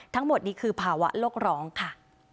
ทั้งหมดนี้คือภาวะโลกร้องค่ะ